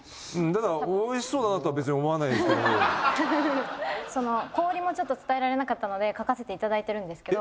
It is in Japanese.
ただその氷もちょっと伝えられなかったので描かせていただいてるんですけど。